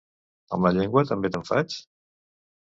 Amb la llengua també te'n faig?